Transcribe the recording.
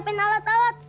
kita harus cari akal